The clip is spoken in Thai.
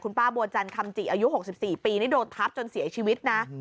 ป้าบัวจันคำจิอายุ๖๔ปีนี่โดนทับจนเสียชีวิตนะ